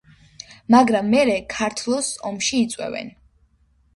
მაგრამ მერე ქართლოსს ომში იწვევენ.